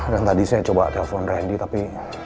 dan tadi saya coba telepon randy tapi